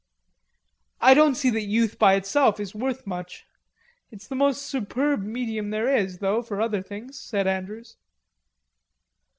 "I don't see that youth by itself is worth much. It's the most superb medium there is, though, for other things," said Andrews.